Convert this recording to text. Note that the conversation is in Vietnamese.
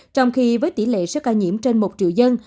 trong khi với tỷ lệ số ca nhiễm trên một triệu dân